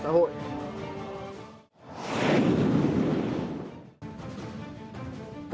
pháp luật thi hành án hình sự